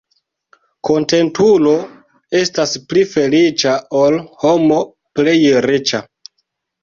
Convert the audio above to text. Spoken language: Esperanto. Kontentulo estas pli feliĉa, ol homo plej riĉa.